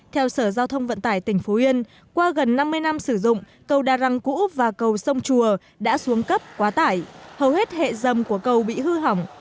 theo sở giao thông vận tải tỉnh phú yên qua gần năm mươi năm sử dụng cầu đa răng cũ và cầu sông chùa đã xuống cấp quá tải hầu hết hệ dầm của cầu bị hư hỏng